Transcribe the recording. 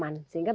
bagi benci guru